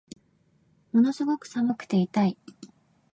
ものすごく寒くて痛い